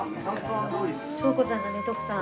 翔子ちゃんがね徳さん。